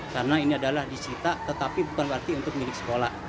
karena ini adalah disita tetapi bukan berarti untuk milik sekolah